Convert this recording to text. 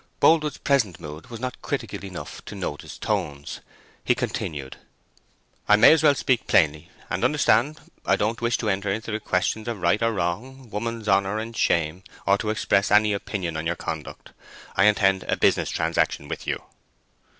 Boldwood's present mood was not critical enough to notice tones. He continued, "I may as well speak plainly; and understand, I don't wish to enter into the questions of right or wrong, woman's honour and shame, or to express any opinion on your conduct. I intend a business transaction with you."